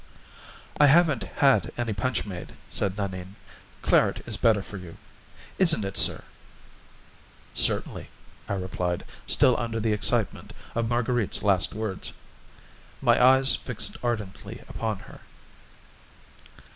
"I haven't had any punch made," said Nanine; "claret is better for you. Isn't it, sir?" "Certainly," I replied, still under the excitement of Marguerite's last words, my eyes fixed ardently upon her.